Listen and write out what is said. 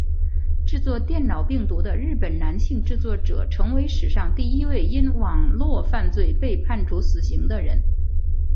制作电脑病毒的日本男性制作者成为史上第一位因网路犯罪被判处死刑的人。